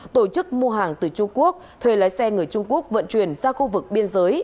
tổ chức mua hàng từ trung quốc thuê lái xe người trung quốc vận chuyển ra khu vực biên giới